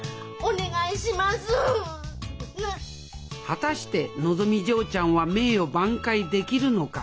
果たしてのぞみ嬢ちゃんは名誉挽回できるのか？